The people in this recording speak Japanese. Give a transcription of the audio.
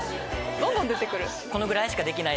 どんどん出てくる。